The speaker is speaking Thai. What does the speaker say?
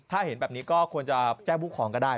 ถ้าเห็นแบบนี้ก็ควรจะแจ้งผู้ครองก็ได้